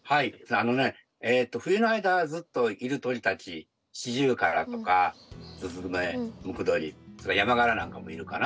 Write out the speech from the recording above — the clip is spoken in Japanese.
あのね冬の間ずっといる鳥たちシジュウカラとかスズメムクドリそれにヤマガラなんかもいるかな。